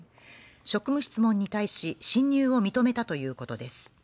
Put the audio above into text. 職務質問に対し侵入を認めたということです。